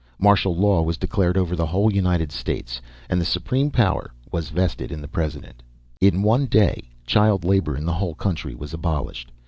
Martial law was declared over the whole United States. The supreme power was vested in the President. In one day, child labour in the whole country was abolished.